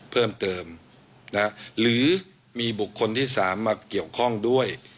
เพิ่มเติมนะหรือมีบุคคลที่๓มาเกี่ยวข้องด้วย